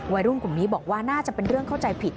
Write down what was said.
วัยรุ่นกลุ่มนี้บอกว่าน่าจะเป็นเรื่องเข้าใจผิด